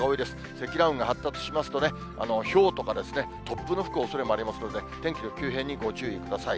積乱雲が発達しますとね、ひょうとか突風の吹くおそれもありますので、天気の急変にご注意ください。